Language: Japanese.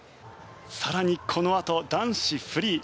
更に、このあと男子フリー。